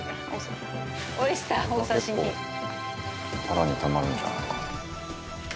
「結構腹にたまるんじゃないか」